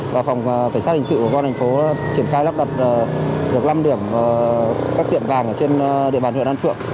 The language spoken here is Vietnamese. và phòng cảnh sát hình sự của công an thành phố triển khai lắp đặt được năm điểm các tiệm vàng ở trên địa bàn huyện an phượng